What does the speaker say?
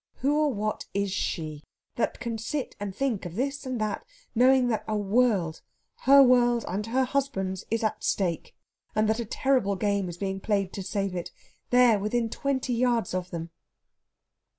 Who or what is she, that can sit and think of this and that, knowing that a world her world and her husband's is at stake, and that a terrible game is being played to save it, there within twenty yards of them?